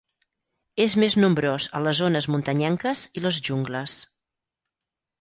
És més nombrós a les zones muntanyenques i les jungles.